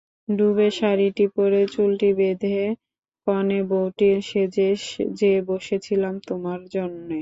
ডুবে শাড়িটি পরে, চুলটি বেঁধে কনেবৌটি সেজে যে বসেছিলাম তোমার জন্যে?